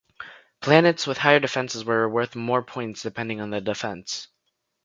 Planets with higher defenses were worth more points depending on the defense.